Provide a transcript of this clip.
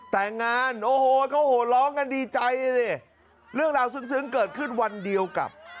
แต่งงานโอ้โหเขาโหร้องกันดีใจดิเรื่องราวซึ้งเกิดขึ้นวันเดียวกับ